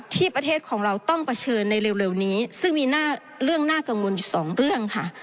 ประเทศของเราต้องเผชิญในเร็วนี้ซึ่งมีเรื่องน่ากังวลอยู่สองเรื่องค่ะ